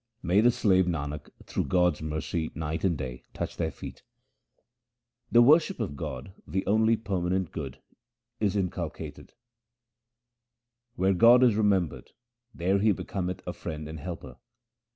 May the slave Nanak through God's mercy night and day touch their feet ! The worship of God, the only permanent good, is inculcated :— Where God is remembered, there He becometh a friend and helper.